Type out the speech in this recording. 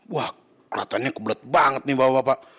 wah kelihatannya kebelet banget nih bapak bapak